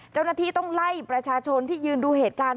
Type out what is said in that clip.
เจ้าหน้าที่ต้องไล่ประชาชนที่ยืนดูเหตุการณ์